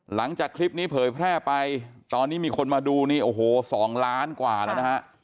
หลังจากคลิปนี้เผยแพร่ไปตอนนี้มีคนมาดูนี่โอ้โห๒ล้านกว่าแล้วนะฮะ